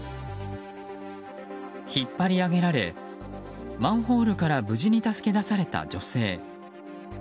引っ張り上げられマンホールから無事に助け出された女性。